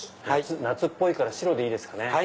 夏っぽいから白でいいですかね。